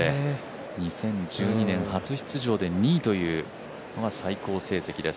２０１２年初出場で２位という最高成績です。